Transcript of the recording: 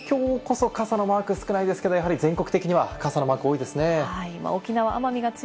そうですね、東京こそ傘のマーク少ないですけれども、やはり全国的には傘のマークが多いですね。